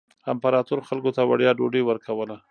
امپراتور خلکو ته وړیا ډوډۍ ورکوله.